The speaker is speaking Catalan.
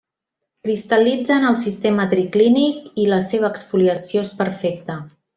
Cristal·litza en el sistema triclínic, i la seva exfoliació és perfecta.